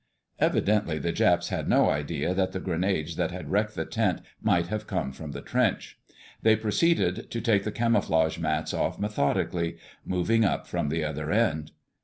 Evidently the Japs had no idea that the grenades that had wrecked the tent might have come from the trench. They proceeded to take the camouflage mats off methodically, moving up from the other end.